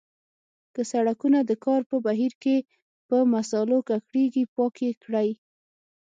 که سړکونه د کار په بهیر کې په مسالو ککړیږي پاک یې کړئ.